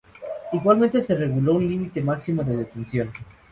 Igualmente se reguló un límite máximo de detención.